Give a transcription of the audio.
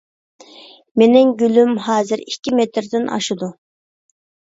مېنىڭ گۈلۈم ھازىر ئىككى مېتىردىن ئاشىدۇ.